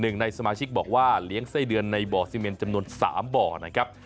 หนึ่งในสมาชิกบอกว่าเลี้ยงไส้เดือนในบ่อซีเมนจำนวน๓บ่อนะครับ